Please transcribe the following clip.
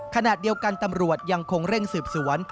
ขณะเดียวกันตำรวจยังคงเร่งสืบสวน